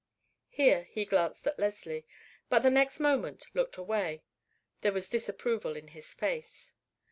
Here he glanced at Leslie, but the next moment looked away. There was disapproval in his face.